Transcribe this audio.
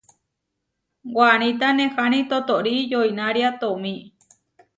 Waníta neháni totóri yoinária tomí.